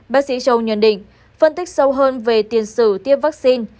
bác sĩ châu nhận định phân tích sâu hơn về tiền sử tiêm vaccine